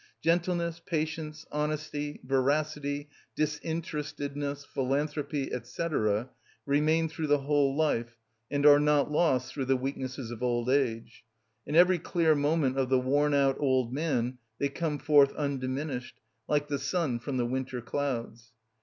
Gentleness, patience, honesty, veracity, disinterestedness, philanthropy, &c., remain through the whole life, and are not lost through the weaknesses of old age; in every clear moment of the worn out old man they come forth undiminished, like the sun from the winter clouds.